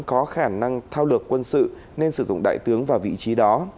có khả năng thao lược quân sự nên sử dụng đại tướng vào vị trí đó